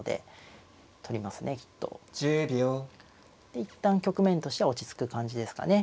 で一旦局面としては落ち着く感じですかね。